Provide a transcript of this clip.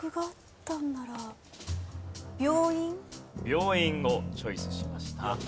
病院をチョイスしました。